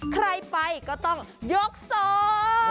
ใครไปก็ต้องยกสอง